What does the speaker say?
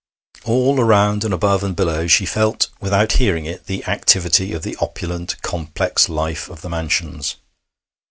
All around, and above and below, she felt, without hearing it, the activity of the opulent, complex life of the mansions.